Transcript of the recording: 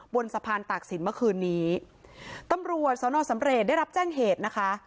บนสะพานตากศิลปเมื่อคืนนี้ตำรวจสอนอสำเรจได้รับแจ้งเหตุนะคะ